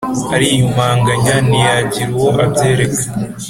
ariyumanganya ntiyagira uwo abyereka.